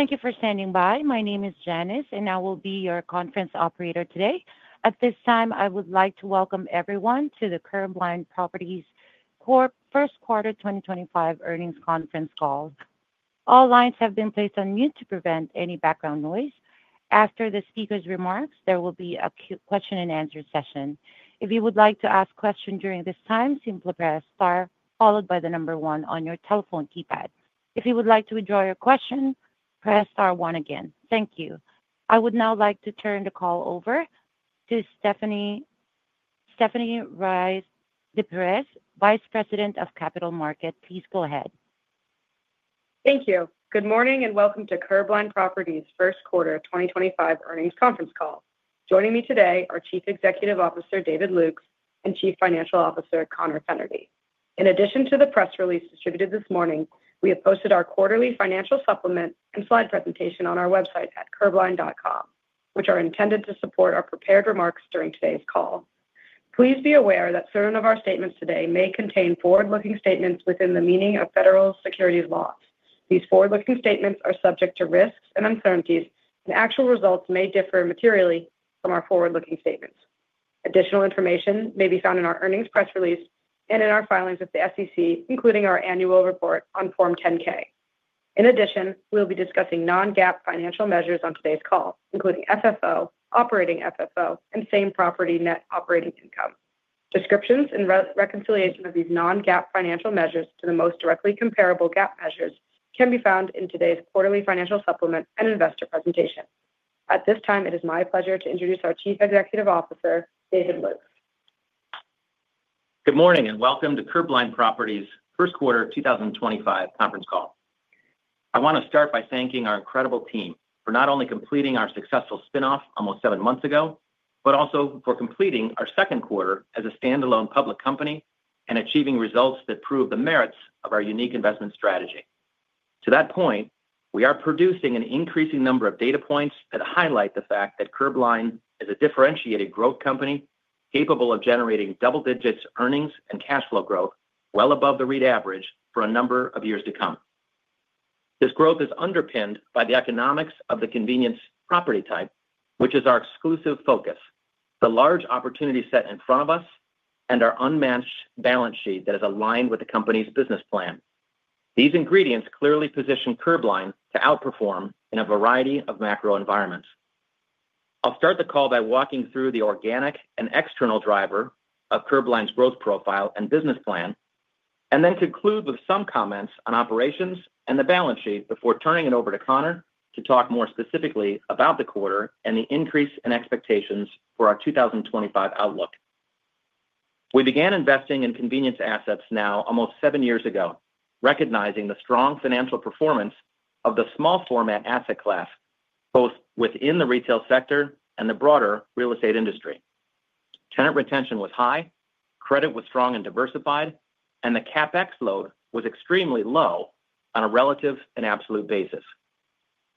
Thank you for standing by. My name is Janice, and I will be your conference operator today. At this time, I would like to welcome everyone to the Curbline Properties First Quarter 2025 Earnings Conference Call. All lines have been placed on mute to prevent any background noise. After the speaker's remarks, there will be a question-and-answer session. If you would like to ask a question during this time, simply press star, followed by the number one on your telephone keypad. If you would like to withdraw your question, press star one again. Thank you. I would now like to turn the call over to Stephanie Ruys de Perez, Vice President of Capital Markets. Please go ahead. Thank you. Good morning and welcome to Curbline Properties First Quarter 2025 Earnings Conference Call. Joining me today are Chief Executive Officer David Lukes and Chief Financial Officer Conor Fennerty. In addition to the press release distributed this morning, we have posted our quarterly financial supplement and slide presentation on our website at curbline.com, which are intended to support our prepared remarks during today's call. Please be aware that certain of our statements today may contain forward-looking statements within the meaning of federal securities laws. These forward-looking statements are subject to risks and uncertainties, and actual results may differ materially from our forward-looking statements. Additional information may be found in our earnings press release and in our filings with the SEC, including our annual report on Form 10-K. In addition, we'll be discussing non-GAAP financial measures on today's call, including FFO, operating FFO, and same property net operating income. Descriptions and reconciliation of these non-GAAP financial measures to the most directly comparable GAAP measures can be found in today's quarterly financial supplement and investor presentation. At this time, it is my pleasure to introduce our Chief Executive Officer, David Lukes. Good morning and welcome to Curbline Properties First Quarter 2025 Conference Call. I want to start by thanking our incredible team for not only completing our successful spinoff almost seven months ago, but also for completing our second quarter as a standalone public company and achieving results that prove the merits of our unique investment strategy. To that point, we are producing an increasing number of data points that highlight the fact that Curbline is a differentiated growth company capable of generating double-digit earnings and cash flow growth well above the REIT average for a number of years to come. This growth is underpinned by the economics of the convenience property type, which is our exclusive focus, the large opportunity set in front of us, and our unmatched balance sheet that is aligned with the company's business plan. These ingredients clearly position Curbline to outperform in a variety of macro environments. I'll start the call by walking through the organic and external driver of Curbline's growth profile and business plan, and then conclude with some comments on operations and the balance sheet before turning it over to Conor to talk more specifically about the quarter and the increase in expectations for our 2025 outlook. We began investing in convenience assets now almost seven years ago, recognizing the strong financial performance of the small-format asset class both within the retail sector and the broader real estate industry. Tenant retention was high, credit was strong and diversified, and the Capex load was extremely low on a relative and absolute basis.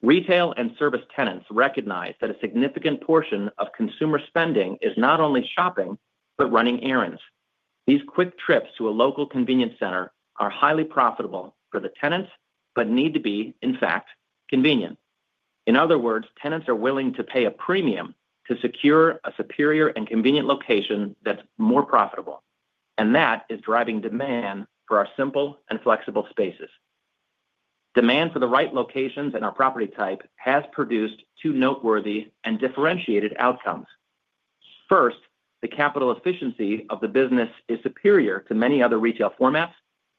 Retail and service tenants recognize that a significant portion of consumer spending is not only shopping but running errands. These quick trips to a local convenience center are highly profitable for the tenants but need to be, in fact, convenient. In other words, tenants are willing to pay a premium to secure a superior and convenient location that's more profitable, and that is driving demand for our simple and flexible spaces. Demand for the right locations and our property type has produced two noteworthy and differentiated outcomes. First, the capital efficiency of the business is superior to many other retail formats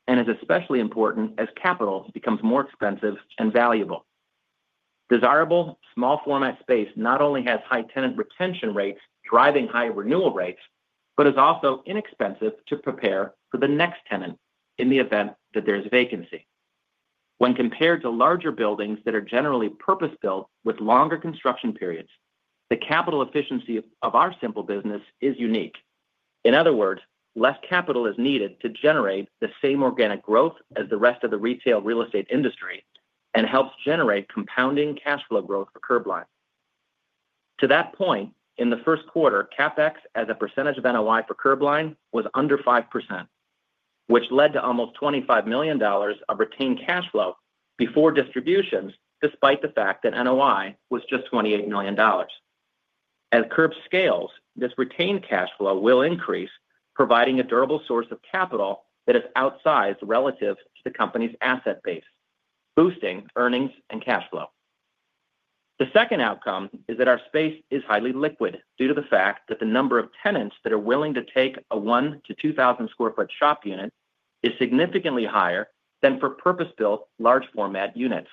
and is especially important as capital becomes more expensive and valuable. Desirable small-format space not only has high tenant retention rates driving high renewal rates but is also inexpensive to prepare for the next tenant in the event that there is vacancy. When compared to larger buildings that are generally purpose-built with longer construction periods, the capital efficiency of our simple business is unique. In other words, less capital is needed to generate the same organic growth as the rest of the retail real estate industry and helps generate compounding cash flow growth for Curbline. To that point, in the first quarter, CapEx as a percentage of NOI for Curbline was under 5%, which led to almost $25 million of retained cash flow before distributions, despite the fact that NOI was just $28 million. As Curbline scales, this retained cash flow will increase, providing a durable source of capital that is outsized relative to the company's asset base, boosting earnings and cash flow. The second outcome is that our space is highly liquid due to the fact that the number of tenants that are willing to take a 1-2,000 sq ft shop unit is significantly higher than for purpose-built large-format units.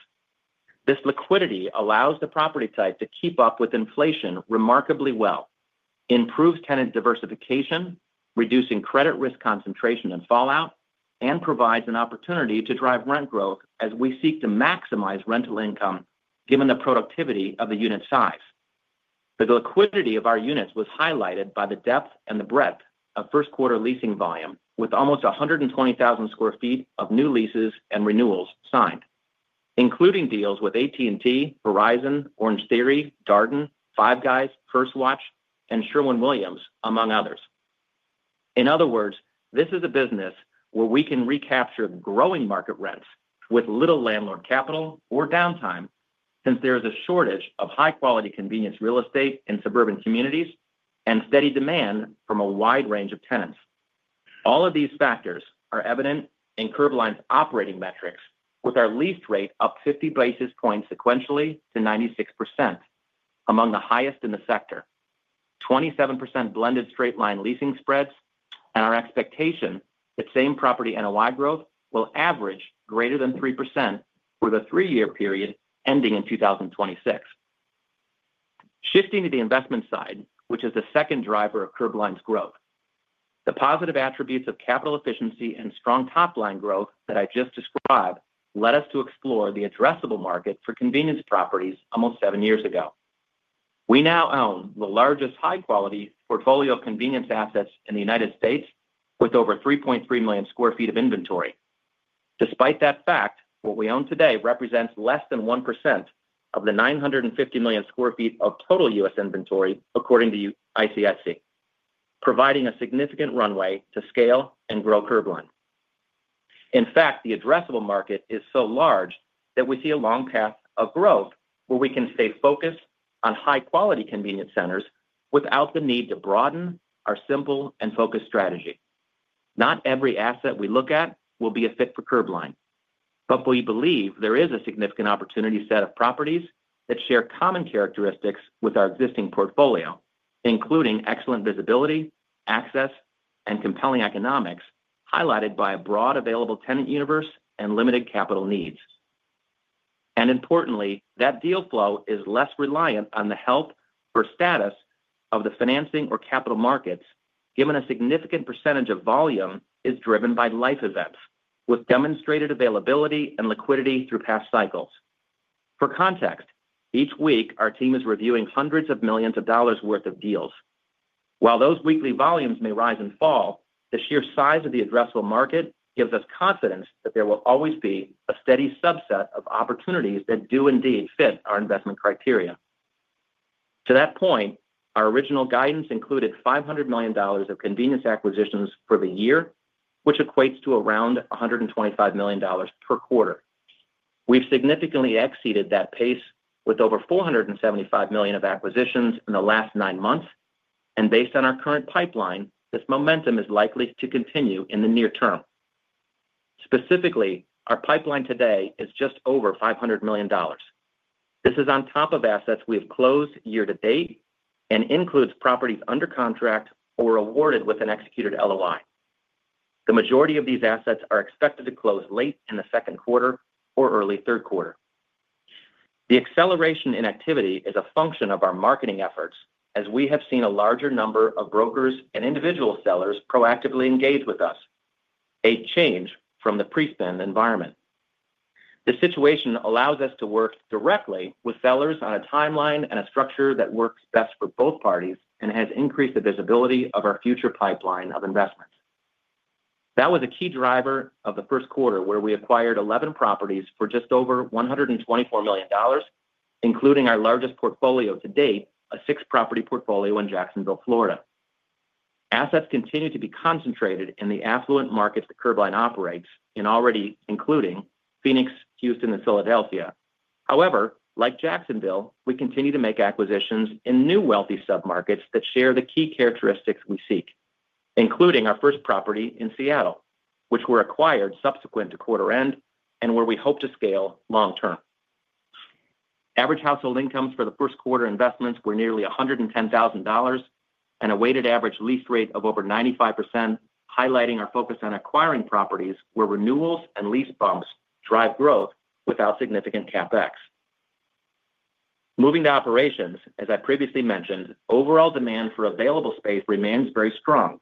This liquidity allows the property type to keep up with inflation remarkably well, improves tenant diversification, reducing credit risk concentration and fallout, and provides an opportunity to drive rent growth as we seek to maximize rental income given the productivity of the unit size. The liquidity of our units was highlighted by the depth and the breadth of first-quarter leasing volume with almost 120,000 sq ft of new leases and renewals signed, including deals with AT&T, Verizon, Orangetheory, Darden, Five Guys, First Watch, and Sherwin-Williams, among others. In other words, this is a business where we can recapture growing market rents with little landlord capital or downtime since there is a shortage of high-quality convenience real estate in suburban communities and steady demand from a wide range of tenants. All of these factors are evident in Curbline's operating metrics, with our lease rate up 50 basis points sequentially to 96%, among the highest in the sector, 27% blended straight-line leasing spreads, and our expectation that same property NOI growth will average greater than 3% for the three-year period ending in 2026. Shifting to the investment side, which is the second driver of Curbline's growth, the positive attributes of capital efficiency and strong top-line growth that I just described led us to explore the addressable market for convenience properties almost seven years ago. We now own the largest high-quality portfolio of convenience assets in the United States with over 3.3 million sq ft of inventory. Despite that fact, what we own today represents less than 1% of the 950 million sq ft of total U.S. inventory, according to ICSC, providing a significant runway to scale and grow Curbline. In fact, the addressable market is so large that we see a long path of growth where we can stay focused on high-quality convenience centers without the need to broaden our simple and focused strategy. Not every asset we look at will be a fit for Curbline, but we believe there is a significant opportunity set of properties that share common characteristics with our existing portfolio, including excellent visibility, access, and compelling economics highlighted by a broad available tenant universe and limited capital needs. Importantly, that deal flow is less reliant on the health or status of the financing or capital markets, given a significant percentage of volume is driven by life events with demonstrated availability and liquidity through past cycles. For context, each week our team is reviewing hundreds of millions of dollars' worth of deals. While those weekly volumes may rise and fall, the sheer size of the addressable market gives us confidence that there will always be a steady subset of opportunities that do indeed fit our investment criteria. To that point, our original guidance included $500 million of convenience acquisitions for the year, which equates to around $125 million per quarter. We've significantly exceeded that pace with over $475 million of acquisitions in the last nine months, and based on our current pipeline, this momentum is likely to continue in the near term. Specifically, our pipeline today is just over $500 million. This is on top of assets we have closed year to date and includes properties under contract or awarded with an executed LOI. The majority of these assets are expected to close late in the second quarter or early third quarter. The acceleration in activity is a function of our marketing efforts, as we have seen a larger number of brokers and individual sellers proactively engage with us, a change from the pre-spend environment. The situation allows us to work directly with sellers on a timeline and a structure that works best for both parties and has increased the visibility of our future pipeline of investments. That was a key driver of the first quarter where we acquired 11 properties for just over $124 million, including our largest portfolio to date, a six-property portfolio in Jacksonville, Florida. Assets continue to be concentrated in the affluent markets that Curbline operates in, already including Phoenix, Houston, and Philadelphia. However, like Jacksonville, we continue to make acquisitions in new wealthy sub-markets that share the key characteristics we seek, including our first property in Seattle, which we acquired subsequent to quarter end and where we hope to scale long-term. Average household incomes for the first quarter investments were nearly $110,000 and a weighted average lease rate of over 95%, highlighting our focus on acquiring properties where renewals and lease bumps drive growth without significant Capex. Moving to operations, as I previously mentioned, overall demand for available space remains very strong,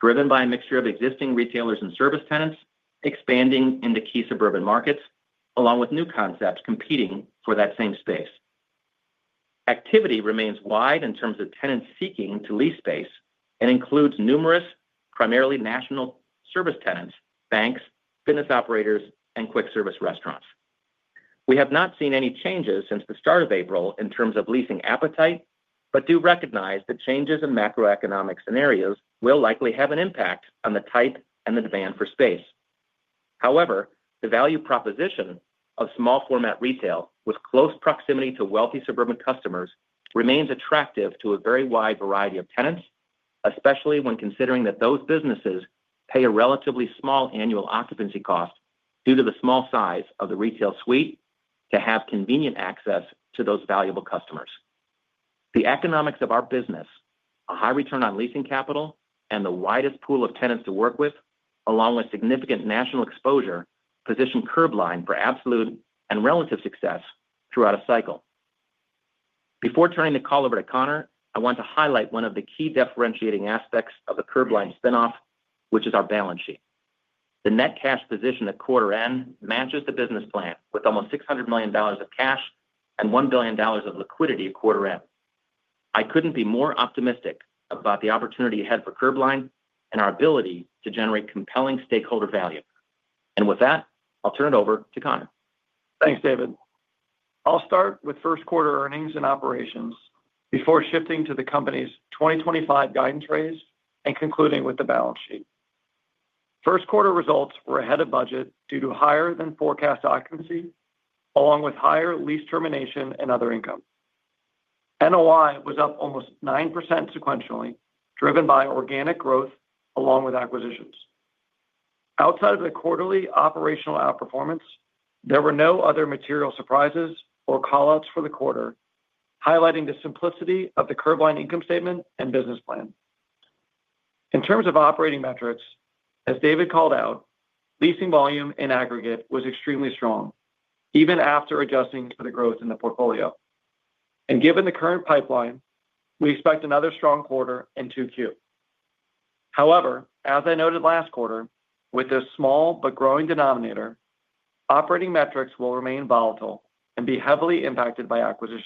driven by a mixture of existing retailers and service tenants expanding into key suburban markets, along with new concepts competing for that same space. Activity remains wide in terms of tenants seeking to lease space and includes numerous primarily national service tenants, banks, fitness operators, and quick-service restaurants. We have not seen any changes since the start of April in terms of leasing appetite, but do recognize that changes in macroeconomic scenarios will likely have an impact on the type and the demand for space. However, the value proposition of small-format retail with close proximity to wealthy suburban customers remains attractive to a very wide variety of tenants, especially when considering that those businesses pay a relatively small annual occupancy cost due to the small size of the retail suite to have convenient access to those valuable customers. The economics of our business, a high return on leasing capital, and the widest pool of tenants to work with, along with significant national exposure, position Curbline for absolute and relative success throughout a cycle. Before turning the call over to Conor, I want to highlight one of the key differentiating aspects of the Curbline spinoff, which is our balance sheet. The net cash position at quarter end matches the business plan with almost $600 million of cash and $1 billion of liquidity at quarter end. I could not be more optimistic about the opportunity ahead for Curbline and our ability to generate compelling stakeholder value. With that, I'll turn it over to Conor. Thanks, David. I'll start with first quarter earnings and operations before shifting to the company's 2025 guidance phase and concluding with the balance sheet. First quarter results were ahead of budget due to higher than forecast occupancy, along with higher lease termination and other income. NOI was up almost 9% sequentially, driven by organic growth along with acquisitions. Outside of the quarterly operational outperformance, there were no other material surprises or callouts for the quarter, highlighting the simplicity of the Curbline income statement and business plan. In terms of operating metrics, as David called out, leasing volume in aggregate was extremely strong, even after adjusting for the growth in the portfolio. Given the current pipeline, we expect another strong quarter in Q2. However, as I noted last quarter, with this small but growing denominator, operating metrics will remain volatile and be heavily impacted by acquisitions.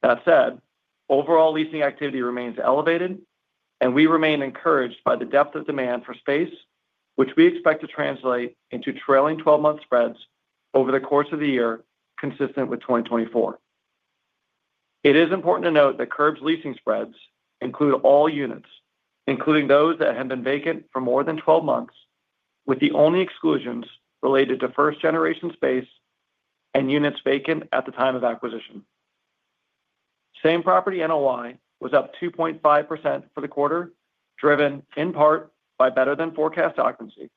That said, overall leasing activity remains elevated, and we remain encouraged by the depth of demand for space, which we expect to translate into trailing 12-month spreads over the course of the year, consistent with 2024. It is important to note that Curbline's leasing spreads include all units, including those that have been vacant for more than 12 months, with the only exclusions related to first-generation space and units vacant at the time of acquisition. Same property NOI was up 2.5% for the quarter, driven in part by better than forecast occupancy.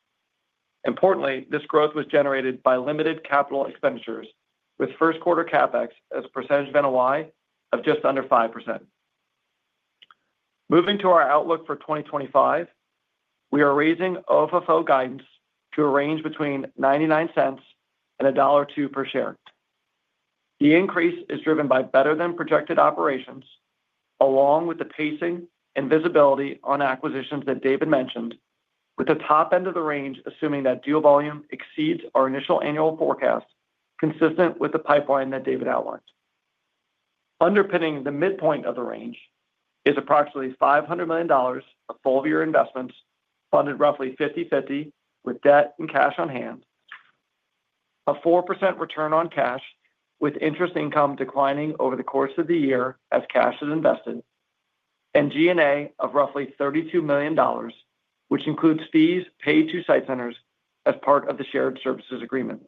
Importantly, this growth was generated by limited capital expenditures, with first quarter Capex as a percentage of NOI of just under 5%. Moving to our outlook for 2025, we are raising OFFO guidance to a range between $0.99 and $1.02 per share. The increase is driven by better than projected operations, along with the pacing and visibility on acquisitions that David mentioned, with the top end of the range assuming that deal volume exceeds our initial annual forecast, consistent with the pipeline that David outlined. Underpinning the midpoint of the range is approximately $500 million of full-year investments funded roughly 50/50 with debt and cash on hand, a 4% return on cash with interest income declining over the course of the year as cash is invested, and G&A of roughly $32 million, which includes fees paid to SITE Centers as part of the shared services agreement.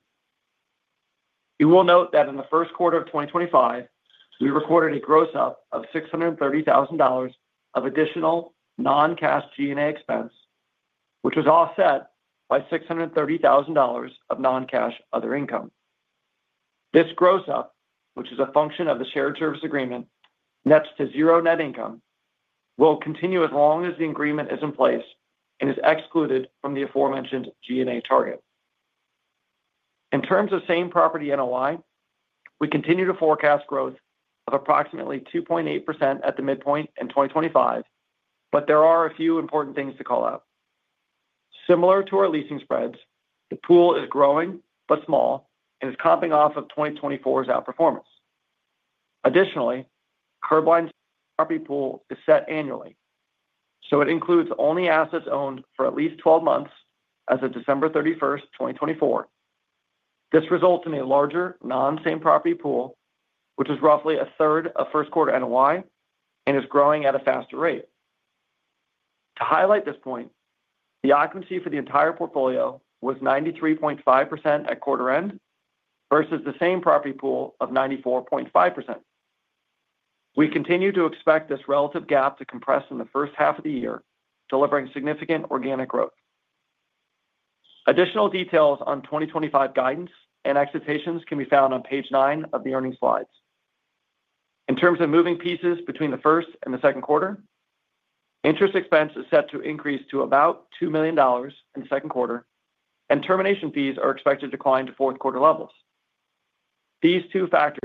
You will note that in the first quarter of 2025, we recorded a gross up of $630,000 of additional non-cash G&A expense, which was offset by $630,000 of non-cash other income. This gross up, which is a function of the shared service agreement, nets to zero net income, will continue as long as the agreement is in place and is excluded from the aforementioned G&A target. In terms of same property NOI, we continue to forecast growth of approximately 2.8% at the midpoint in 2025, but there are a few important things to call out. Similar to our leasing spreads, the pool is growing but small and is comping off of 2024's outperformance. Additionally, Curbline's same property pool is set annually, so it includes only assets owned for at least 12 months as of December 31, 2024. This results in a larger non-same property pool, which is roughly a third of first quarter NOI and is growing at a faster rate. To highlight this point, the occupancy for the entire portfolio was 93.5% at quarter end versus the same property pool of 94.5%. We continue to expect this relative gap to compress in the first half of the year, delivering significant organic growth. Additional details on 2025 guidance and expectations can be found on page nine of the earnings slides. In terms of moving pieces between the first and the second quarter, interest expense is set to increase to about $2 million in the second quarter, and termination fees are expected to decline to fourth quarter levels. These two factors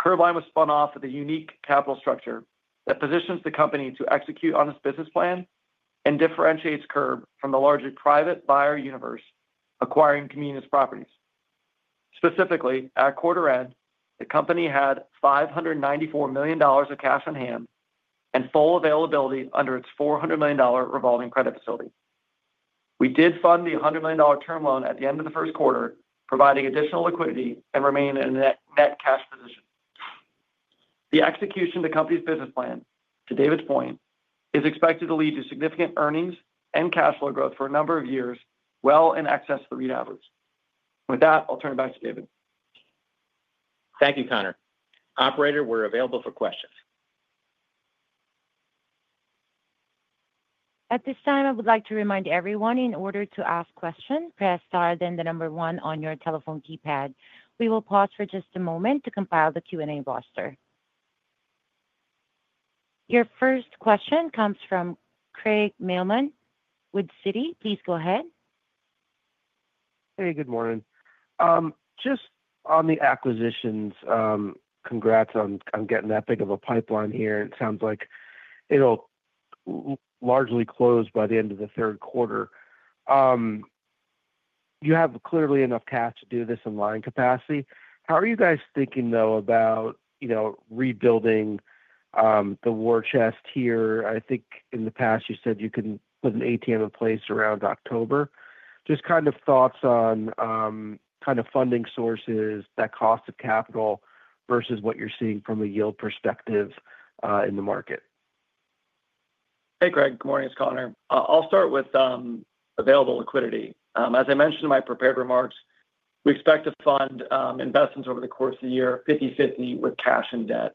Curbline was spun off with a unique capital structure that positions the company to execute on its business plan and differentiates Curb from the largely private buyer universe acquiring convenience properties. Specifically, at quarter end, the company had $594 million of cash on hand and full availability under its $400 million revolving credit facility. We did fund the $100 million term loan at the end of the first quarter, providing additional liquidity and remaining in a net cash position. The execution of the company's business plan, to David's point, is expected to lead to significant earnings and cash flow growth for a number of years well in excess of the REIT average. With that, I'll turn it back to David. Thank you, Conor. Operator, we're available for questions. At this time, I would like to remind everyone in order to ask questions, press star then the number one on your telephone keypad. We will pause for just a moment to compile the Q&A roster. Your first question comes from Craig Mailman with Citi. Please go ahead. Hey, good morning. Just on the acquisitions, congrats on getting that big of a pipeline here. It sounds like it'll largely close by the end of the third quarter. You have clearly enough cash to do this in line capacity. How are you guys thinking, though, about rebuilding the war chest here? I think in the past you said you can put an ATM in place around October. Just kind of thoughts on kind of funding sources, that cost of capital versus what you're seeing from a yield perspective in the market. Hey, Craig. Good morning. It's Conor. I'll start with available liquidity. As I mentioned in my prepared remarks, we expect to fund investments over the course of the year 50/50 with cash and debt.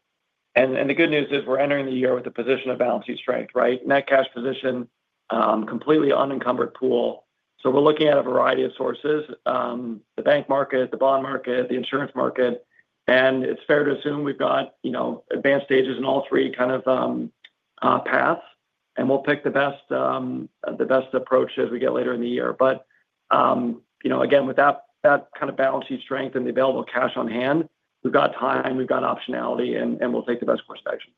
The good news is we're entering the year with a position of balance sheet strength, right? Net cash position, completely unencumbered pool. We're looking at a variety of sources: the bank market, the bond market, the insurance market. It's fair to assume we've got advanced stages in all three kind of paths, and we'll pick the best approach as we get later in the year. Again, with that kind of balance sheet strength and the available cash on hand, we've got time, we've got optionality, and we'll take the best course of action.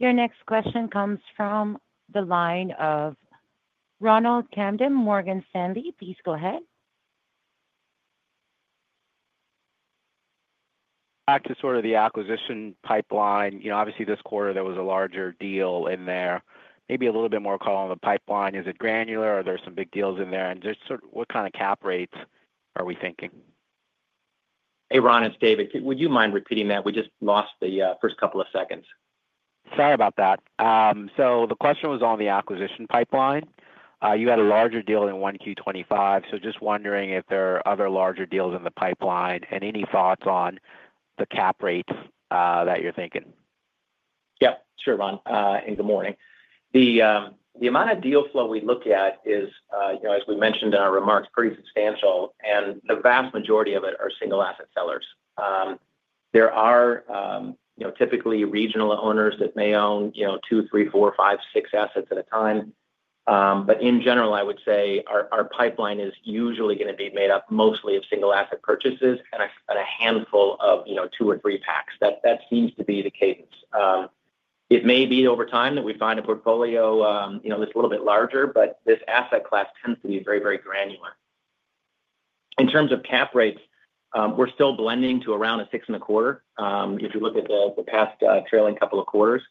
Your next question comes from the line of Ronald Kamdem, Morgan Stanley. Please go ahead. Back to sort of the acquisition pipeline. Obviously, this quarter, there was a larger deal in there. Maybe a little bit more call on the pipeline. Is it granular? Are there some big deals in there? And what kind of cap rates are we thinking? Hey, Ron and David, would you mind repeating that? We just lost the first couple of seconds. Sorry about that. The question was on the acquisition pipeline. You had a larger deal in 1Q25, just wondering if there are other larger deals in the pipeline and any thoughts on the cap rates that you're thinking. Yeah. Sure, Ron. Good morning. The amount of deal flow we look at is, as we mentioned in our remarks, pretty substantial, and the vast majority of it are single-asset sellers. There are typically regional owners that may own two, three, four, five, six assets at a time. In general, I would say our pipeline is usually going to be made up mostly of single-asset purchases and a handful of two or three packs. That seems to be the cadence. It may be over time that we find a portfolio that is a little bit larger, but this asset class tends to be very, very granular. In terms of cap rates, we are still blending to around a six and a quarter. If you look at the past trailing couple of quarters,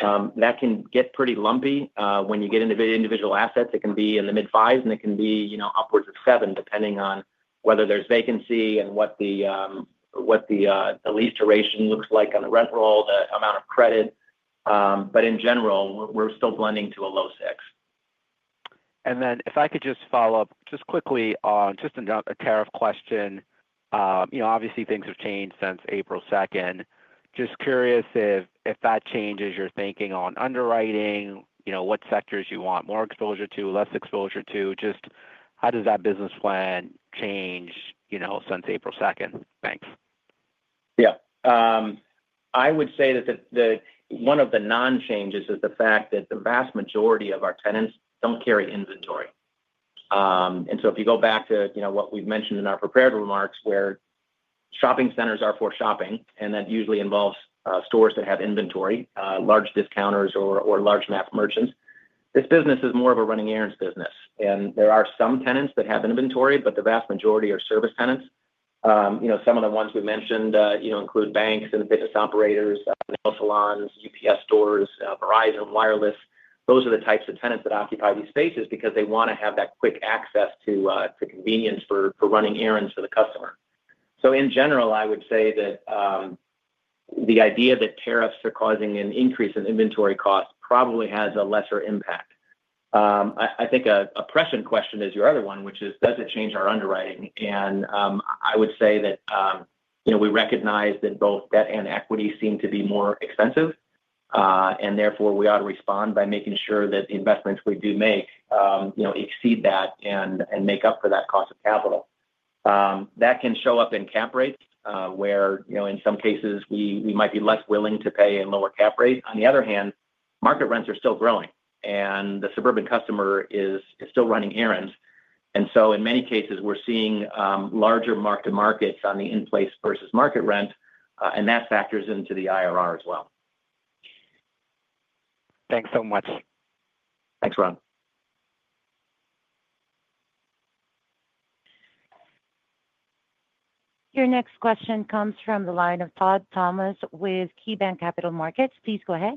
that can get pretty lumpy. When you get into individual assets, it can be in the mid-fives, and it can be upwards of seven, depending on whether there is vacancy and what the lease duration looks like on the rent roll, the amount of credit. In general, we are still blending to a low six. If I could just follow up just quickly on just a tariff question. Obviously, things have changed since April 2nd. Just curious if that changes your thinking on underwriting, what sectors you want more exposure to, less exposure to, just how does that business plan change since April 2nd? Thanks. Yeah. I would say that one of the non-changes is the fact that the vast majority of our tenants do not carry inventory. If you go back to what we have mentioned in our prepared remarks, where shopping centers are for shopping, and that usually involves stores that have inventory, large discounters or large-mass merchants, this business is more of a running errands business. There are some tenants that have inventory, but the vast majority are service tenants. Some of the ones we mentioned include banks and fitness operators, nail salons, UPS stores, Verizon Wireless. Those are the types of tenants that occupy these spaces because they want to have that quick access to convenience for running errands for the customer. In general, I would say that the idea that tariffs are causing an increase in inventory costs probably has a lesser impact. I think a pressing question is your other one, which is, does it change our underwriting? I would say that we recognize that both debt and equity seem to be more expensive, and therefore we ought to respond by making sure that the investments we do make exceed that and make up for that cost of capital. That can show up in cap rates, where in some cases we might be less willing to pay a lower cap rate. On the other hand, market rents are still growing, and the suburban customer is still running errands. In many cases, we are seeing larger mark-to-markets on the in-place versus market rent, and that factors into the IRR as well. Thanks so much. Thanks, Ron. Your next question comes from the line of Todd Thomas with KeyBanc Capital Markets. Please go ahead.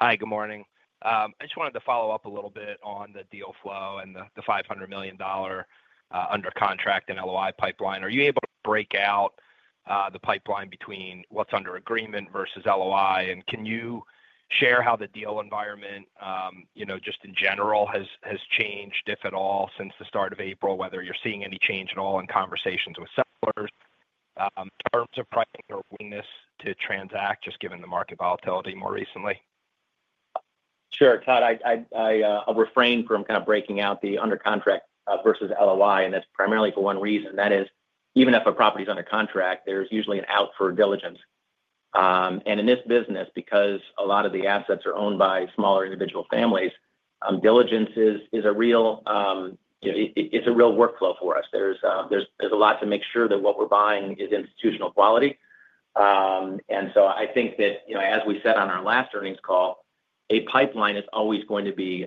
Hi, good morning. I just wanted to follow up a little bit on the deal flow and the $500 million under contract and LOI pipeline. Are you able to break out the pipeline between what's under agreement versus LOI? Can you share how the deal environment, just in general, has changed, if at all, since the start of April, whether you're seeing any change at all in conversations with sellers, terms of pricing, or willingness to transact, just given the market volatility more recently? Sure. Todd, I refrain from kind of breaking out the under contract versus LOI, and that's primarily for one reason. That is, even if a property is under contract, there's usually an out for diligence. In this business, because a lot of the assets are owned by smaller individual families, diligence is a real workflow for us. There's a lot to make sure that what we're buying is institutional quality. I think that, as we said on our last earnings call, a pipeline is always going to be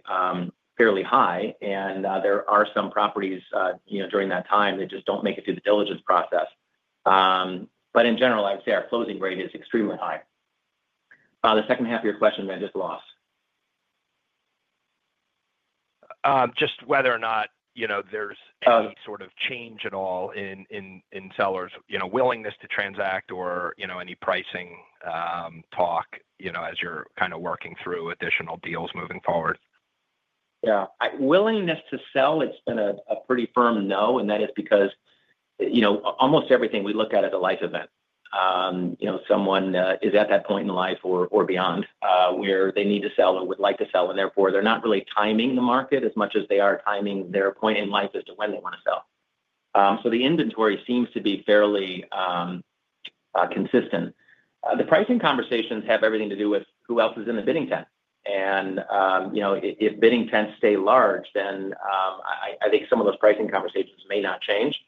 fairly high, and there are some properties during that time that just don't make it through the diligence process. In general, I would say our closing rate is extremely high. The second half of your question, I just lost. Just whether or not there's any sort of change at all in sellers' willingness to transact or any pricing talk as you're kind of working through additional deals moving forward. Yeah. Willingness to sell, it's been a pretty firm no, and that is because almost everything we look at is a life event. Someone is at that point in life or beyond where they need to sell or would like to sell, and therefore they're not really timing the market as much as they are timing their point in life as to when they want to sell. The inventory seems to be fairly consistent. The pricing conversations have everything to do with who else is in the bidding tent. If bidding tents stay large, then I think some of those pricing conversations may not change.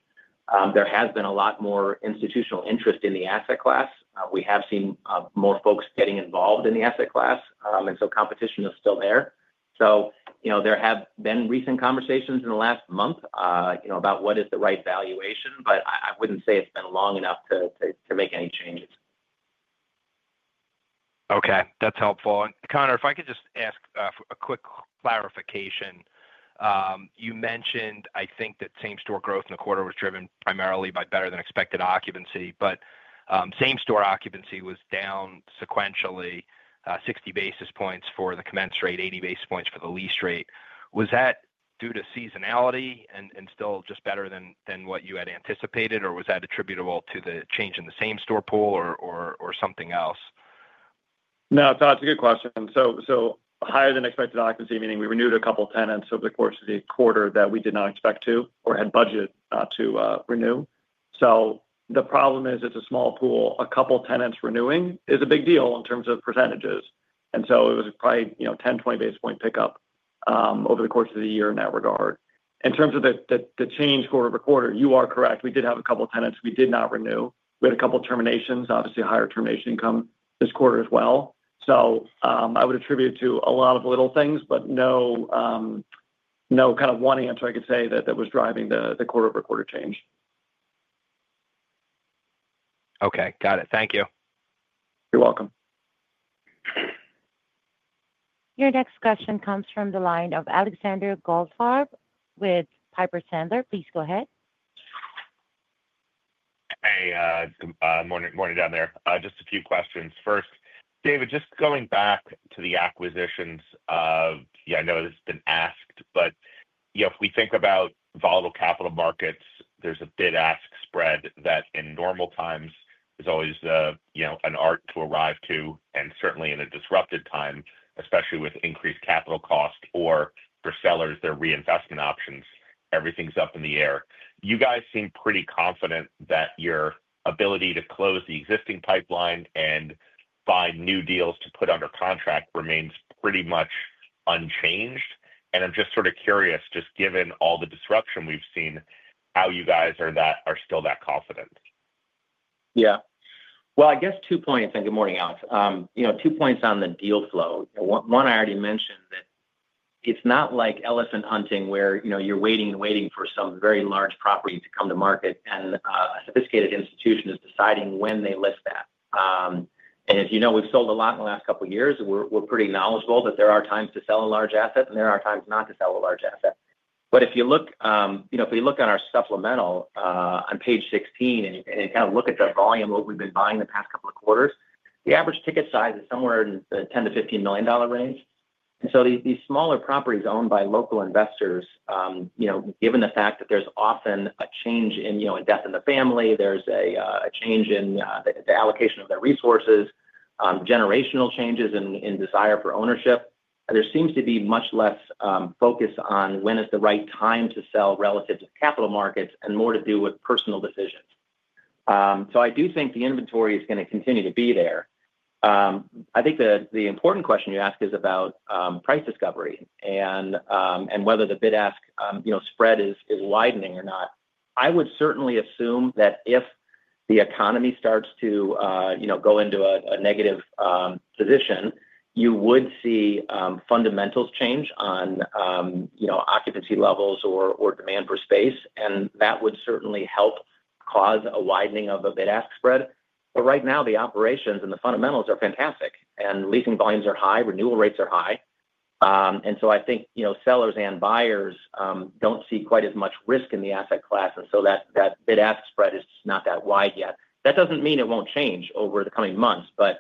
There has been a lot more institutional interest in the asset class. We have seen more folks getting involved in the asset class, and so competition is still there. There have been recent conversations in the last month about what is the right valuation, but I wouldn't say it's been long enough to make any changes. Okay. That's helpful. Conor, if I could just ask a quick clarification. You mentioned, I think, that same-store growth in the quarter was driven primarily by better-than-expected occupancy, but same-store occupancy was down sequentially 60 basis points for the commenced rate, 80 basis points for the leased rate. Was that due to seasonality and still just better than what you had anticipated, or was that attributable to the change in the same-store pool or something else? No, Todd, it's a good question. Higher-than-expected occupancy, meaning we renewed a couple of tenants over the course of the quarter that we did not expect to or had budget to renew. The problem is it's a small pool. A couple of tenants renewing is a big deal in terms of percentages. It was probably a 10-20 basis point pickup over the course of the year in that regard. In terms of the change quarter over quarter, you are correct. We did have a couple of tenants we did not renew. We had a couple of terminations, obviously higher termination income this quarter as well. I would attribute it to a lot of little things, but no kind of one answer I could say that was driving the quarter-over-quarter change. Okay. Got it. Thank you. You're welcome. Your next question comes from the line of Alexander Goldfarb with Piper Sandler. Please go ahead. Hey. Good morning down there. Just a few questions. First, David, just going back to the acquisitions of, yeah, I know this has been asked, but if we think about volatile capital markets, there's a bid-ask spread that in normal times is always an art to arrive to, and certainly in a disrupted time, especially with increased capital costs or for sellers, their reinvestment options, everything's up in the air. You guys seem pretty confident that your ability to close the existing pipeline and find new deals to put under contract remains pretty much unchanged. I'm just sort of curious, just given all the disruption we've seen, how you guys are still that confident? Yeah. I guess two points. And good morning, Alex. Two points on the deal flow. One, I already mentioned that it's not like elephant hunting where you're waiting and waiting for some very large property to come to market, and a sophisticated institution is deciding when they list that. As you know, we've sold a lot in the last couple of years. We're pretty knowledgeable that there are times to sell a large asset, and there are times not to sell a large asset. If you look on our supplemental on page 16 and kind of look at the volume of what we've been buying the past couple of quarters, the average ticket size is somewhere in the $10 million-$15 million range. These smaller properties owned by local investors, given the fact that there's often a change in death in the family, there's a change in the allocation of their resources, generational changes in desire for ownership, there seems to be much less focus on when is the right time to sell relative to capital markets and more to do with personal decisions. I do think the inventory is going to continue to be there. I think the important question you ask is about price discovery and whether the bid-ask spread is widening or not. I would certainly assume that if the economy starts to go into a negative position, you would see fundamentals change on occupancy levels or demand for space, and that would certainly help cause a widening of the bid-ask spread. Right now, the operations and the fundamentals are fantastic, and leasing volumes are high, renewal rates are high. I think sellers and buyers do not see quite as much risk in the asset class, and that bid-ask spread is not that wide yet. That does not mean it will not change over the coming months, but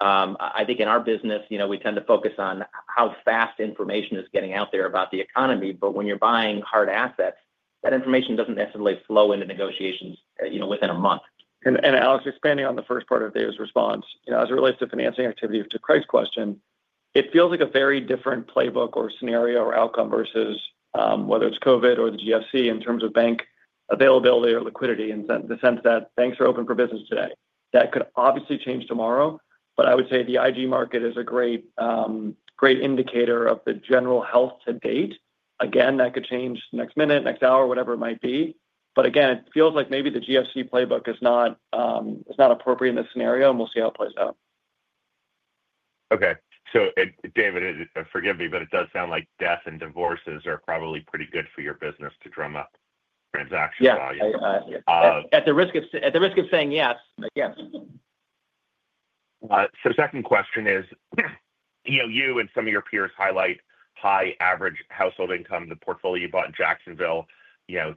I think in our business, we tend to focus on how fast information is getting out there about the economy, but when you are buying hard assets, that information does not necessarily flow into negotiations within a month. Alex, just depending on the first part of David's response, as it relates to financing activity, to Craig's question, it feels like a very different playbook or scenario or outcome versus whether it's COVID or the GFC in terms of bank availability or liquidity in the sense that banks are open for business today. That could obviously change tomorrow, but I would say the IG market is a great indicator of the general health to date. Again, that could change next minute, next hour, whatever it might be. Again, it feels like maybe the GFC playbook is not appropriate in this scenario, and we'll see how it plays out. Okay. David, forgive me, but it does sound like death and divorces are probably pretty good for your business to drum up transaction volume. Yeah. At the risk of saying yes, yes. Second question is, you and some of your peers highlight high average household income. The portfolio you bought in Jacksonville,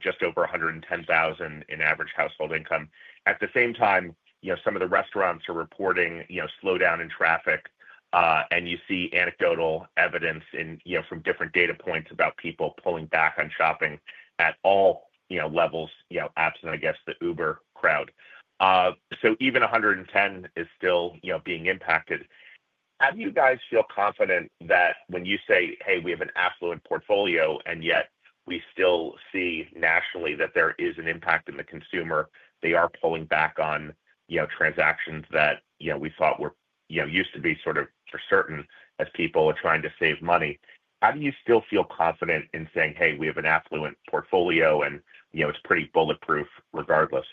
just over $110,000 in average household income. At the same time, some of the restaurants are reporting slowdown in traffic, and you see anecdotal evidence from different data points about people pulling back on shopping at all levels, absent, I guess, the Uber crowd. Even $110,000 is still being impacted. How do you guys feel confident that when you say, "Hey, we have an affluent portfolio, and yet we still see nationally that there is an impact in the consumer," they are pulling back on transactions that we thought used to be sort of for certain as people were trying to save money? How do you still feel confident in saying, "Hey, we have an affluent portfolio, and it's pretty bulletproof regardless"?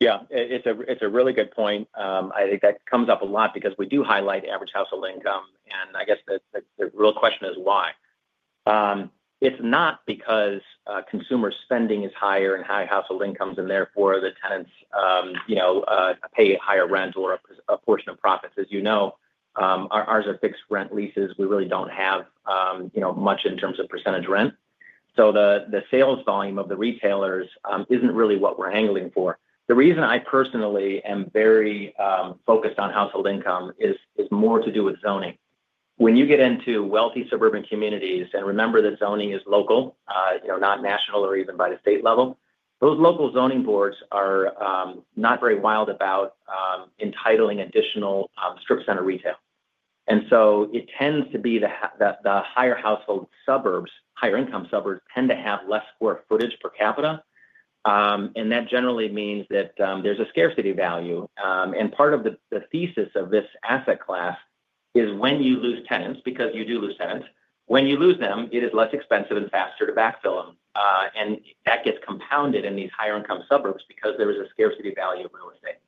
Yeah. It's a really good point. I think that comes up a lot because we do highlight average household income, and I guess the real question is why. It's not because consumer spending is higher in high household incomes, and therefore the tenants pay higher rent or a portion of profits. As you know, ours are fixed rent leases. We really don't have much in terms of percentage rent. The sales volume of the retailers isn't really what we're angling for. The reason I personally am very focused on household income is more to do with zoning. When you get into wealthy suburban communities, and remember that zoning is local, not national or even by the state level, those local zoning boards are not very wild about entitling additional strip center retail. It tends to be that the higher household suburbs, higher income suburbs tend to have less square footage per capita. That generally means that there is a scarcity value. Part of the thesis of this asset class is when you lose tenants, because you do lose tenants, when you lose them, it is less expensive and faster to backfill them. That gets compounded in these higher income suburbs because there is a scarcity value of real estate.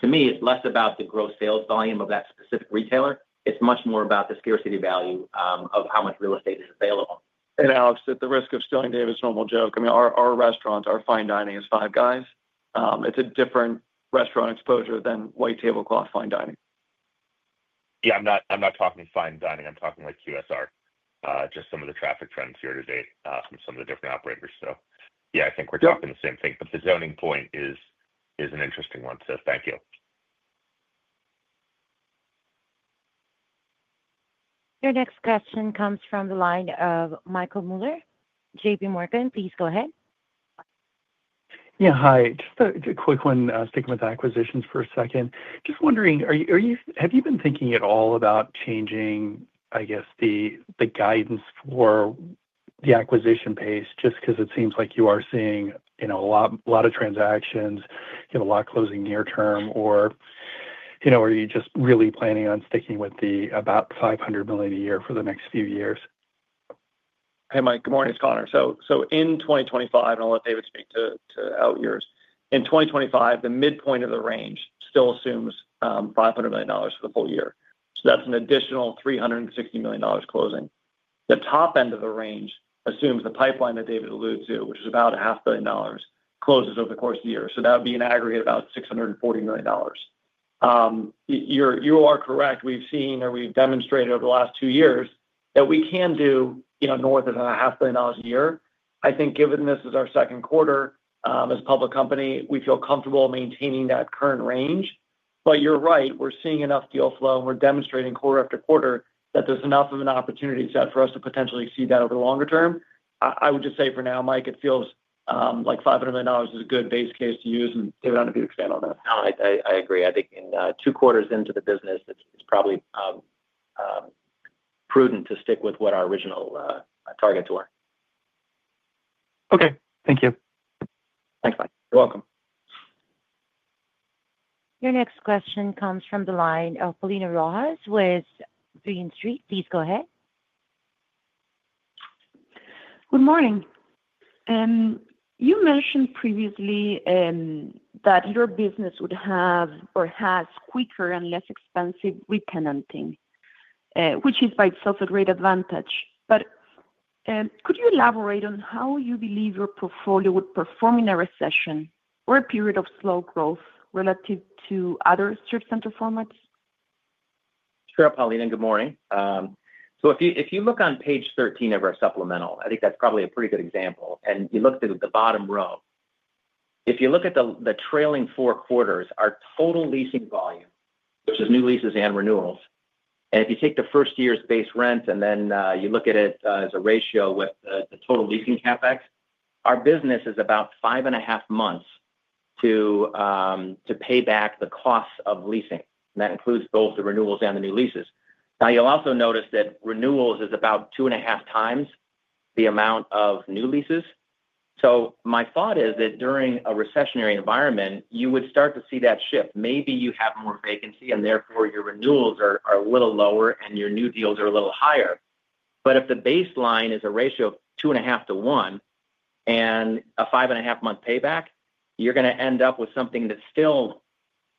To me, it is less about the gross sales volume of that specific retailer. It is much more about the scarcity value of how much real estate is available. Alex, at the risk of stealing David's normal joke, I mean, our restaurant, our fine dining is Five Guys. It's a different restaurant exposure than white tablecloth fine dining. Yeah. I'm not talking fine dining. I'm talking like QSR, just some of the traffic trends here to date from some of the different operators. Yeah, I think we're talking the same thing. The zoning point is an interesting one, so thank you. Your next question comes from the line of Michael Mueller. JPMorgan, please go ahead. Yeah. Hi. Just a quick one, sticking with acquisitions for a second. Just wondering, have you been thinking at all about changing, I guess, the guidance for the acquisition pace just because it seems like you are seeing a lot of transactions, a lot closing near term, or are you just really planning on sticking with the about $500 million a year for the next few years? Hey, Mike. Good morning. It's Conor. In 2025, and I'll let David speak to how it years. In 2025, the midpoint of the range still assumes $500 million for the full year. That's an additional $360 million closing. The top end of the range assumes the pipeline that David alluded to, which is about a half billion dollars, closes over the course of the year. That would be an aggregate of about $640 million. You are correct. We've seen or we've demonstrated over the last two years that we can do north of a half billion dollars a year. I think given this is our second quarter as a public company, we feel comfortable maintaining that current range. You're right. We're seeing enough deal flow, and we're demonstrating quarter after quarter that there's enough of an opportunity set for us to potentially see that over the longer term. I would just say for now, Mike, it feels like $500 million is a good base case to use, and David, I don't know if you'd expand on that. No, I agree. I think in two quarters into the business, it's probably prudent to stick with what our original targets were. Okay. Thank you. Thanks, Mike. You're welcome. Your next question comes from the line of Paulina Rojas with Green Street. Please go ahead. Good morning. You mentioned previously that your business would have or has quicker and less expensive re-tenanting, which is by itself a great advantage. Could you elaborate on how you believe your portfolio would perform in a recession or a period of slow growth relative to other strip center formats? Sure, Paulina. Good morning. If you look on page 13 of our supplemental, I think that's probably a pretty good example. You look at the bottom row, if you look at the trailing four quarters, our total leasing volume, which is new leases and renewals, and if you take the first year's base rent and then you look at it as a ratio with the total leasing Capex, our business is about five and a half months to pay back the costs of leasing. That includes both the renewals and the new leases. You'll also notice that renewals is about two and a half times the amount of new leases. My thought is that during a recessionary environment, you would start to see that shift. Maybe you have more vacancy, and therefore your renewals are a little lower, and your new deals are a little higher. If the baseline is a ratio of two and a half to one and a five and a half month payback, you're going to end up with something that's still,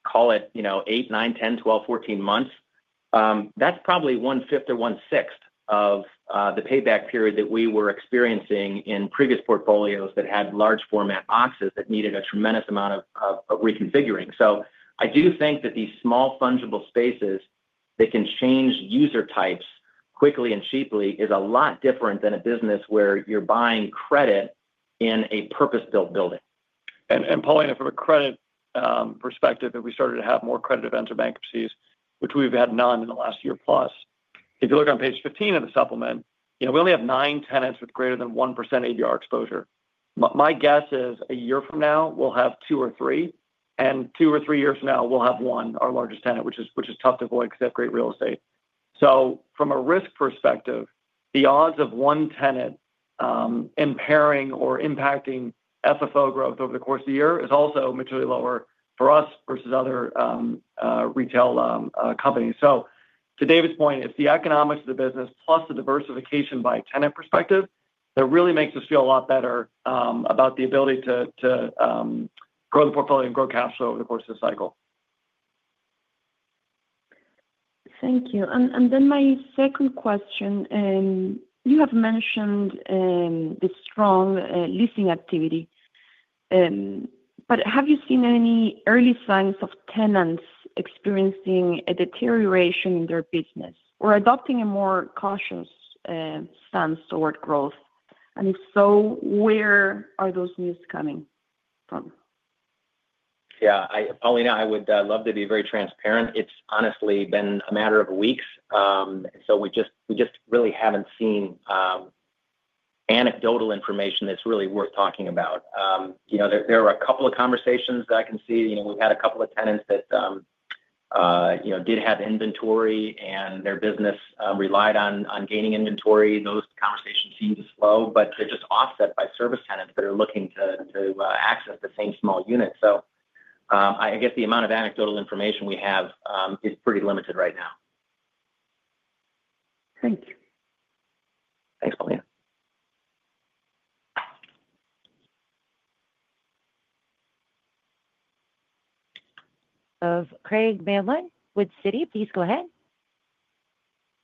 call it 8, 9, 10, 12, 14 months. That's probably one-fifth or one-sixth of the payback period that we were experiencing in previous portfolios that had large format boxes that needed a tremendous amount of reconfiguring. I do think that these small fungible spaces that can change user types quickly and cheaply is a lot different than a business where you're buying credit in a purpose-built building. Paulina, from a credit perspective, we started to have more credit events or bankruptcies, which we've had none in the last year plus. If you look on page 15 of the supplement, we only have nine tenants with greater than 1% ABR exposure. My guess is a year from now, we'll have two or three. And two or three years from now, we'll have one, our largest tenant, which is tough to avoid because they have great real estate. From a risk perspective, the odds of one tenant impairing or impacting FFO growth over the course of the year is also materially lower for us versus other retail companies. To David's point, it's the economics of the business plus the diversification by tenant perspective that really makes us feel a lot better about the ability to grow the portfolio and grow cash flow over the course of the cycle. Thank you. My second question, you have mentioned the strong leasing activity, but have you seen any early signs of tenants experiencing a deterioration in their business or adopting a more cautious stance toward growth? If so, where are those news coming from? Yeah. Paulina, I would love to be very transparent. It's honestly been a matter of weeks. We just really haven't seen anecdotal information that's really worth talking about. There are a couple of conversations that I can see. We've had a couple of tenants that did have inventory, and their business relied on gaining inventory. Those conversations seem to flow, but they're just offset by service tenants that are looking to access the same small unit. I guess the amount of anecdotal information we have is pretty limited right now. Thank you. Thanks, Paulina. Of Craig Mailman with Citi, please go ahead.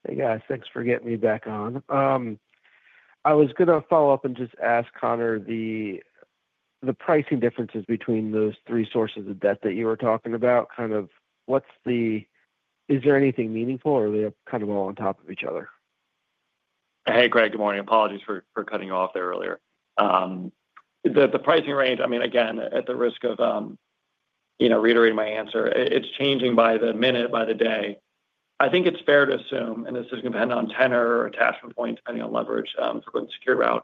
Hey, guys. Thanks for getting me back on. I was going to follow up and just ask Conor the pricing differences between those three sources of debt that you were talking about. Kind of is there anything meaningful, or are they kind of all on top of each other? Hey, Craig. Good morning. Apologies for cutting you off there earlier. The pricing range, I mean, again, at the risk of reiterating my answer, it's changing by the minute, by the day. I think it's fair to assume, and this is going to depend on tenor or attachment point, depending on leverage for going to secure route,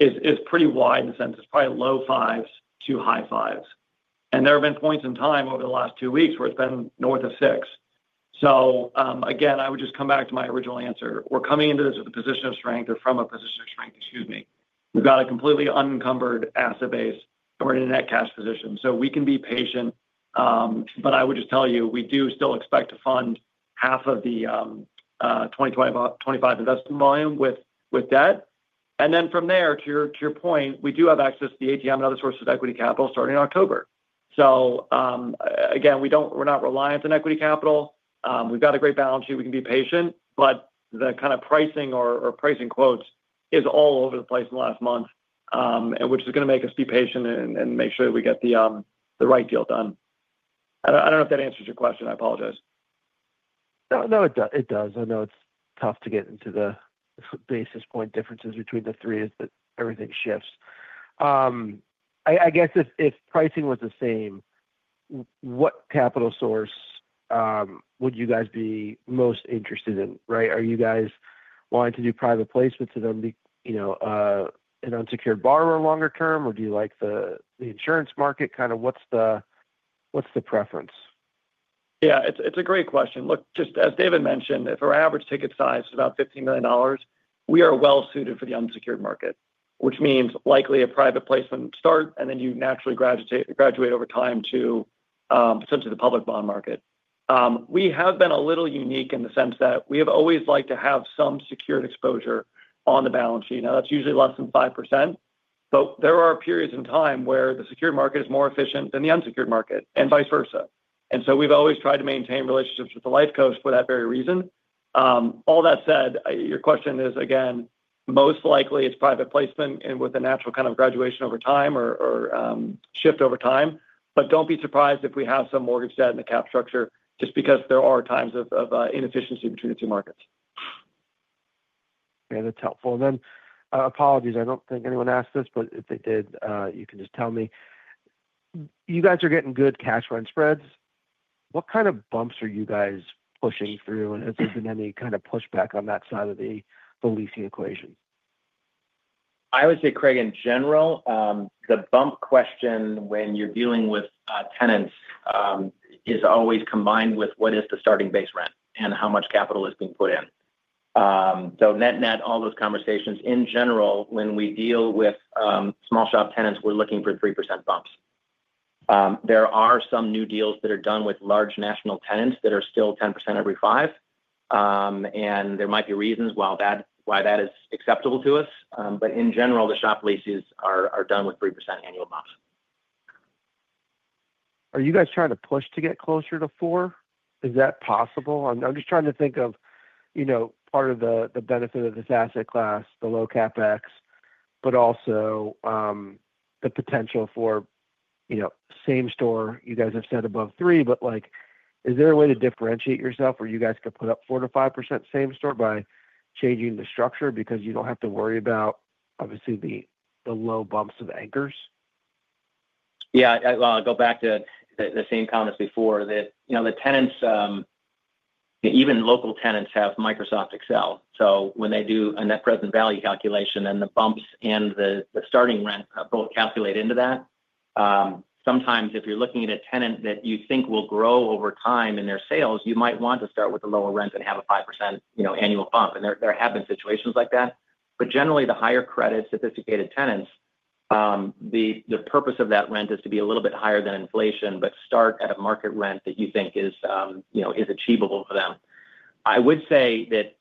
is pretty wide in the sense. It's probably low fives to high fives. There have been points in time over the last two weeks where it's been north of six. I would just come back to my original answer. We're coming into this with a position of strength or from a position of strength, excuse me. We've got a completely unencumbered asset base, and we're in a net cash position. We can be patient, but I would just tell you, we do still expect to fund half of the 2025 investment volume with debt. From there, to your point, we do have access to the ATM and other sources of equity capital starting in October. Again, we're not reliant on equity capital. We've got a great balance sheet. We can be patient, but the kind of pricing or pricing quotes is all over the place in the last month, which is going to make us be patient and make sure that we get the right deal done. I do not know if that answers your question. I apologize. No, it does. I know it's tough to get into the basis point differences between the three as everything shifts. I guess if pricing was the same, what capital source would you guys be most interested in, right? Are you guys wanting to do private placements and then be an unsecured borrower longer term, or do you like the insurance market? Kind of what's the preference? Yeah. It's a great question. Look, just as David mentioned, if our average ticket size is about $15 million, we are well suited for the unsecured market, which means likely a private placement start, and then you naturally graduate over time to potentially the public bond market. We have been a little unique in the sense that we have always liked to have some secured exposure on the balance sheet. Now, that's usually less than 5%, but there are periods in time where the secured market is more efficient than the unsecured market and vice versa. We have always tried to maintain relationships with the Lifecos for that very reason. All that said, your question is, again, most likely it's private placement and with a natural kind of graduation over time or shift over time. Do not be surprised if we have some mortgage debt in the cap structure just because there are times of inefficiency between the two markets. Okay. That's helpful. Apologies. I don't think anyone asked this, but if they did, you can just tell me. You guys are getting good cash run spreads. What kind of bumps are you guys pushing through, and has there been any kind of pushback on that side of the leasing equation? I would say, Craig, in general, the bump question when you're dealing with tenants is always combined with what is the starting base rent and how much capital is being put in. Net-net, all those conversations. In general, when we deal with small shop tenants, we're looking for 3% bumps. There are some new deals that are done with large national tenants that are still 10% every five. There might be reasons why that is acceptable to us. In general, the shop leases are done with 3% annual bumps. Are you guys trying to push to get closer to 4%? Is that possible? I'm just trying to think of part of the benefit of this asset class, the low CapEx, but also the potential for same store. You guys have said above 3%, but is there a way to differentiate yourself where you guys could put up 4-5% same store by changing the structure because you don't have to worry about, obviously, the low bumps of anchors? Yeah. I'll go back to the same comments before that the tenants, even local tenants, have Microsoft Excel. So when they do a net present value calculation and the bumps and the starting rent both calculate into that, sometimes if you're looking at a tenant that you think will grow over time in their sales, you might want to start with the lower rent and have a 5% annual bump. There have been situations like that. Generally, the higher credit sophisticated tenants, the purpose of that rent is to be a little bit higher than inflation, but start at a market rent that you think is achievable for them. I would say that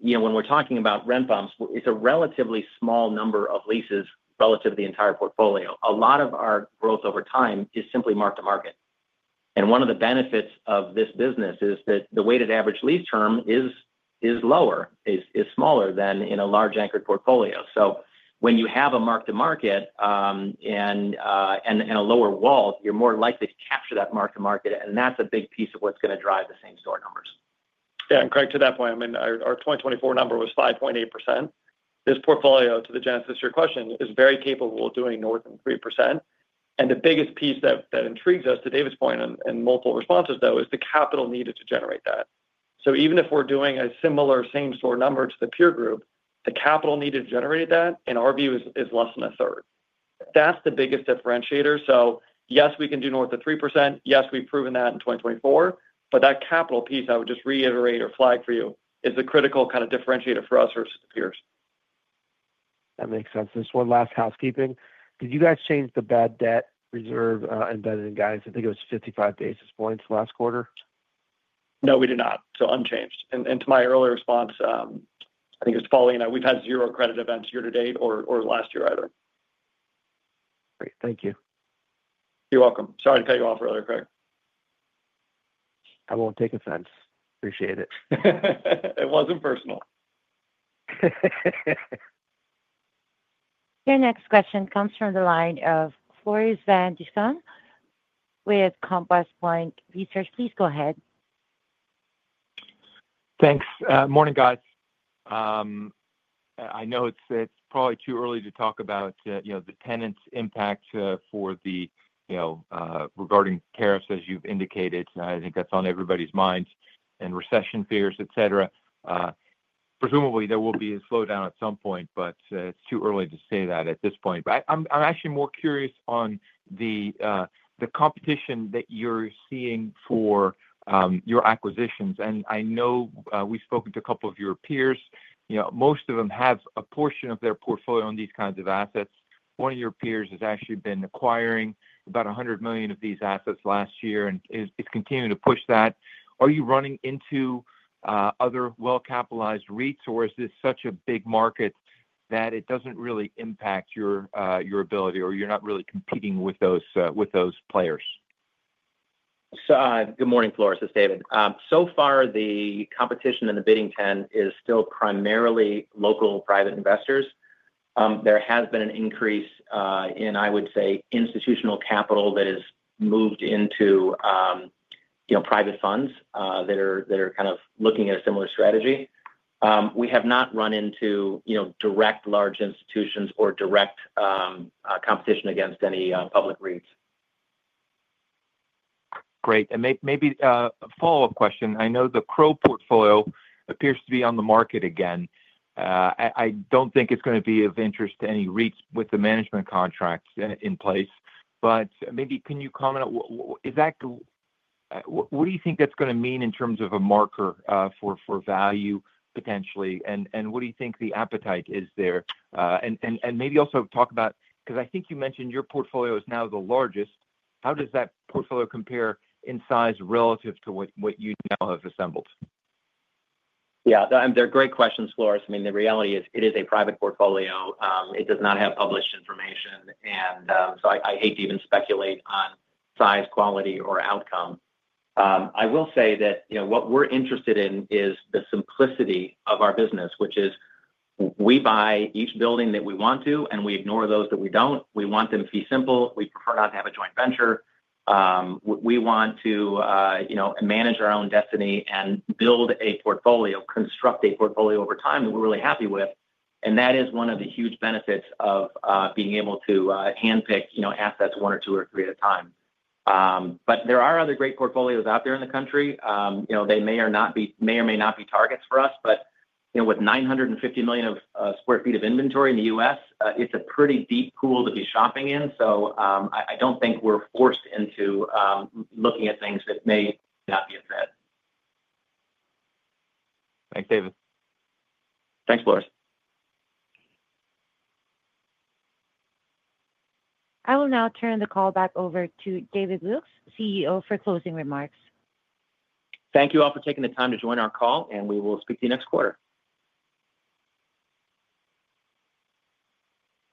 when we're talking about rent bumps, it's a relatively small number of leases relative to the entire portfolio. A lot of our growth over time is simply mark-to-market. One of the benefits of this business is that the weighted average lease term is lower, is smaller than in a large anchored portfolio. When you have a mark-to-market and a lower WALT, you're more likely to capture that mark-to-market. That's a big piece of what's going to drive the same store numbers. Yeah. Craig, to that point, I mean, our 2024 number was 5.8%. This portfolio, to the genesis of your question, is very capable of doing north of 3%. The biggest piece that intrigues us, to David's point and multiple responses, though, is the capital needed to generate that. Even if we're doing a similar same store number to the peer group, the capital needed to generate that, in our view, is less than a third. That's the biggest differentiator. Yes, we can do north of 3%. Yes, we've proven that in 2024. That capital piece, I would just reiterate or flag for you, is the critical kind of differentiator for us versus the peers. That makes sense. Just one last housekeeping. Did you guys change the bad debt reserve embedded in guidance? I think it was 55 basis points last quarter. No, we did not. Unchanged. To my earlier response, I think it was Paulina. We've had zero credit events year to date or last year either. Great. Thank you. You're welcome. Sorry to cut you off earlier, Craig. I won't take offense. Appreciate it. It wasn't personal. Your next question comes from the line of Floris van Dijkum with Compass Point Research. Please go ahead. Thanks. Morning, guys. I know it's probably too early to talk about the tenants' impact regarding tariffs, as you've indicated. I think that's on everybody's minds and recession fears, etc. Presumably, there will be a slowdown at some point, but it's too early to say that at this point. I'm actually more curious on the competition that you're seeing for your acquisitions. I know we've spoken to a couple of your peers. Most of them have a portion of their portfolio in these kinds of assets. One of your peers has actually been acquiring about $100 million of these assets last year and is continuing to push that. Are you running into other well-capitalized REITs, or is this such a big market that it doesn't really impact your ability, or you're not really competing with those players? Good morning, Floris. It's David. The competition in the bidding tent is still primarily local private investors. There has been an increase in, I would say, institutional capital that has moved into private funds that are kind of looking at a similar strategy. We have not run into direct large institutions or direct competition against any public REITs. Great. Maybe a follow-up question. I know the Crow portfolio appears to be on the market again. I do not think it is going to be of interest to any REITs with the management contract in place. Maybe can you comment on what you think that is going to mean in terms of a marker for value, potentially? What do you think the appetite is there? Maybe also talk about, because I think you mentioned your portfolio is now the largest, how does that portfolio compare in size relative to what you now have assembled? Yeah. They're great questions, Floris. I mean, the reality is it is a private portfolio. It does not have published information. I hate to even speculate on size, quality, or outcome. I will say that what we're interested in is the simplicity of our business, which is we buy each building that we want to, and we ignore those that we don't. We want them to be simple. We prefer not to have a joint venture. We want to manage our own destiny and build a portfolio, construct a portfolio over time that we're really happy with. That is one of the huge benefits of being able to handpick assets one or two or three at a time. There are other great portfolios out there in the country. They may or may not be targets for us. With 950 million sq ft of inventory in the U.S., it's a pretty deep pool to be shopping in. I don't think we're forced into looking at things that may not be a threat. Thanks, David. Thanks, Floris. I will now turn the call back over to David Lukes, CEO, for closing remarks. Thank you all for taking the time to join our call, and we will speak to you next quarter.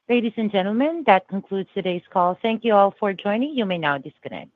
Ladies and gentlemen, that concludes today's call. Thank you all for joining. You may now disconnect.